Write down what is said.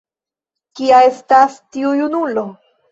Kia estas tiu junulo?